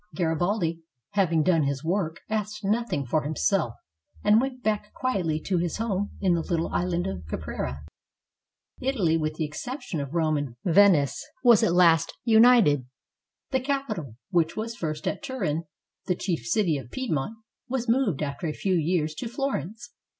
Garibaldi having done his work, asked nothing for himself, and went back quietly to his home in the little island of Caprera. Italy, with the exception of Rome and Venice, was at last united. The capital, which was first at Turin, the chief city of Piedmont, was moved after a few years to Florence.